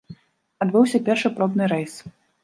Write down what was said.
Адбыўся першы пробны рэйс.